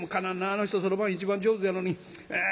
あの人そろばん一番上手やのに。